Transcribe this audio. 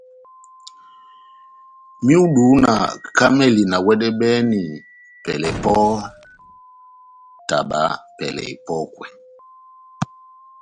Myudu na kamɛli na wɛdɛbɛhɛni pɛlɛ pɔhɔ́, taba pɛlɛ epɔ́kwɛ.